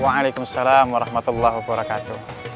waalaikumsalam warahmatullahi wabarakatuh